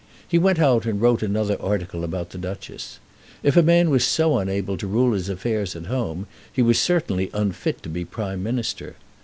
He went out and wrote another article about the Duchess. If a man was so unable to rule his affairs at home, he was certainly unfit to be Prime Minister.